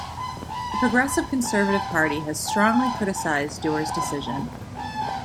The Progressive Conservative Party has strongly criticized Doer's decision.